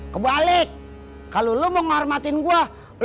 kalo lo mau menghormati gue